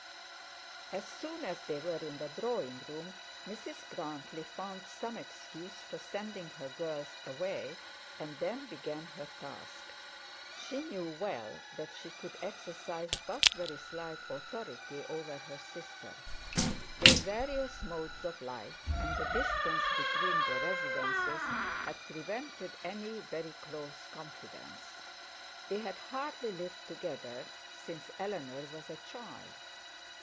As soon as they were in the drawing room Mrs Grantly found some excuse for sending her girls away, and then began her task. She knew well that she could exercise but very slight authority over her sister. Their various modes of life, and the distance between their residences, had prevented very close confidence. They had hardly lived together since Eleanor was a child.